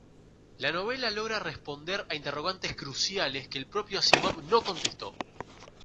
La novela logra responder a interrogantes cruciales que el propio Asimov no contestó.